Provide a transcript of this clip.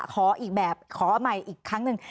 ขออีกแบบขอใหม่อีกครั้งหนึ่ง